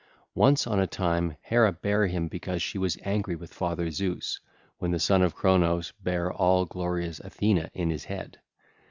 Once on a time Hera bare him because she was angry with father Zeus, when the Son of Cronos bare all glorious Athena in his head.